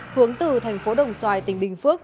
hướng từ thành phố đồng xoài tỉnh bình phước